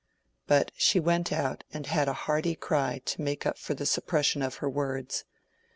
But she went out and had a hearty cry to make up for the suppression of her words.